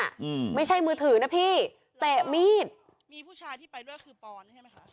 อืมไม่ใช่มือถือนะพี่เตะมีดมีผู้ชายที่ไปด้วยคือปอนใช่ไหมคะ